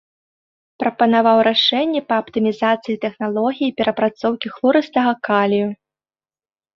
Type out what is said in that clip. Прапанаваў рашэнні па аптымізацыі тэхналогіі перапрацоўкі хлорыстага калію.